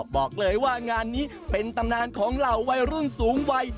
บอกเลยว่างานนี้เป็นตำนานของเหล่าวัยรุ่นสูงวัย